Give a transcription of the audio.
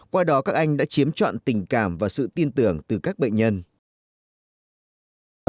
qua đó các anh đã chiếm trọn tình cảm và sự tin tưởng từ các bệnh nhân